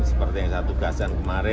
seperti yang saya tugaskan kemarin